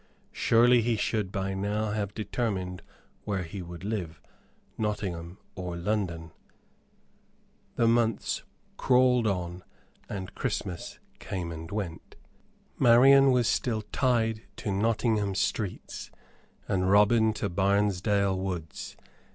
Surely he should by now have determined where he would live Nottingham or London. The months crawled on and Christmas came and went. Marian was still tied to Nottingham streets and Robin to Barnesdale woods.